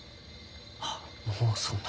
あっもうそんな。